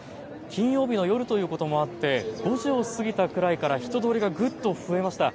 金曜日の夜ということもあって５時を過ぎたくらいから人通りがぐっと増えました。